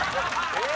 えっ？